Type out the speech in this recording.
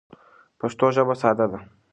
پښتو ژبه ساده ده.